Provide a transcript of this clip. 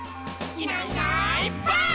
「いないいないばあっ！」